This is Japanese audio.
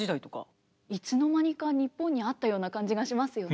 いつの間にか日本にあったような感じがしますよね。